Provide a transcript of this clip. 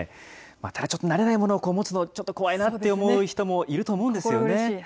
ただちょっと、慣れないものを持つの、ちょっと怖いなって思う人もいると思うんですよね。